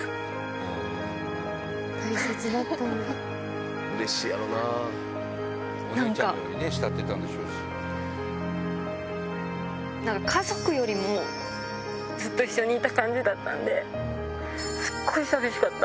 お姉ちゃんのように慕ってたなんか、家族よりも、ずっと一緒にいた感じだったんで、すっごい寂しかった。